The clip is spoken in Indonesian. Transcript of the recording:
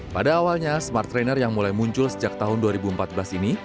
pada awalnya smart trainer yang mulai muncul sejak tahun dua ribu empat belas ini